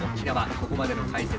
ここまでの解説